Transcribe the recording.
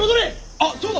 あっそうだ！